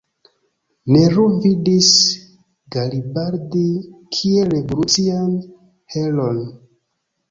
Nehru vidis Garibaldi kiel revolucian heroon.